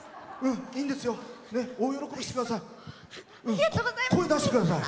いいんですよ大喜びしてください。